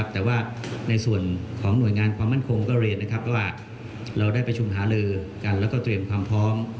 แต่ว่าในส่วนหน่วยงานความมั่นคงก็เรียนว่าเราได้ไปชุมฮาเลอและเตรียมความพร้อม